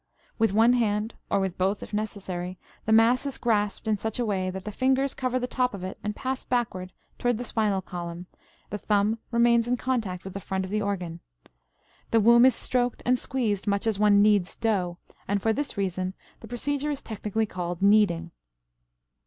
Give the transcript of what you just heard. With one hand, or with both if necessary, the mass is grasped in such a way that the fingers cover the top of it and pass backward toward the spinal column; the thumb remains in contact with the front of the organ. The womb is stroked and squeezed much as one kneads dough, and for this reason the procedure is technically called kneading.